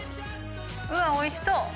うわっおいしそう！